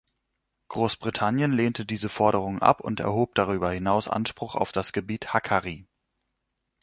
Großbritannien lehnte diese Forderung ab und erhob darüber hinaus Anspruch auf das Gebiet Hakkari.